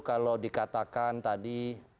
kalau dikatakan tadi